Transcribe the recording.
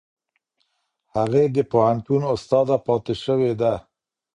هغې د پوهنتون استاده پاتې شوې ده.